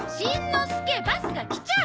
バスが来ちゃう！